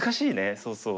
そうそう。